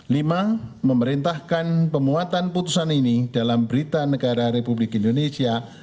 lima memerintahkan pemuatan putusan ini dalam berita negara republik indonesia